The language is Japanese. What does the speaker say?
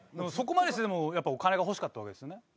そこまでしてでもやっぱお金が欲しかったわけですよね？